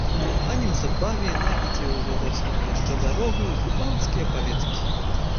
А неўзабаве яна ідзе ўжо роснаю яшчэ дарогаю ў панскія палеткі.